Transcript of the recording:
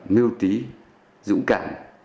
mưu trí dũng cảm